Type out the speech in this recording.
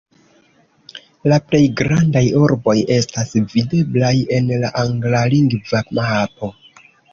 La plej grandaj urboj estas videblaj en la anglalingva mapo.